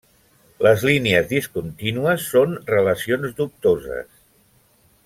Les línies discontínues són relacions dubtoses.